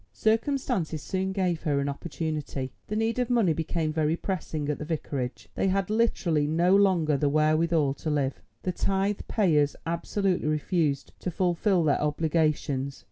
Circumstances soon gave her an opportunity. The need of money became very pressing at the Vicarage. They had literally no longer the wherewithal to live. The tithe payers absolutely refused to fulfil their obligations.